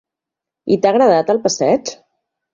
I t'ha agradat el passeig?